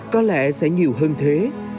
có lẽ sẽ nhiều hơn thế